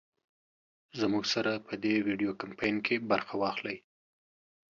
زمونږ سره په دې وېډيو کمپين کې برخه واخلۍ